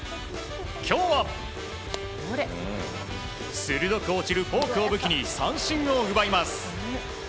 今日は鋭く落ちるフォークを武器に三振を奪います。